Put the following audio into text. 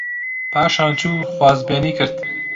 پاشان چوو خوازبێنی کرد